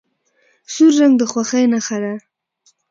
سور رنګ د خوښۍ نښه ده.